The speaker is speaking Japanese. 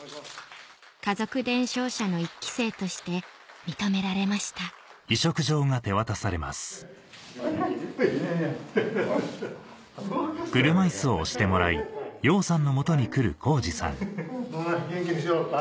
家族伝承者の１期生として認められました元気にしよった？